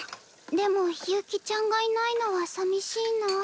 でも悠希ちゃんがいないのはさみしいな。